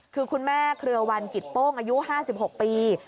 คือคุณแม่เครือวันกิจโป้งอายุ๕๖ปี